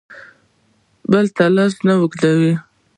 بل ته لاس نه اوږدوي.